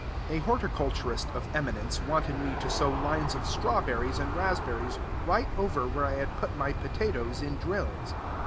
A horticulturist of eminence wanted me to sow lines of straw berries and raspberries right over where I had put my potatoes in drills.